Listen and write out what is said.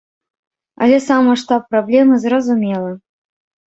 Але сам маштаб праблемы зразумелы.